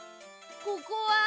ここは？